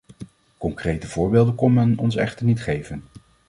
Concrete voorbeelden kon men ons echter niet geven.